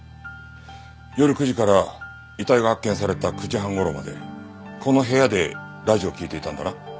夜９時から遺体が発見された９時半頃までこの部屋でラジオを聴いていたんだな？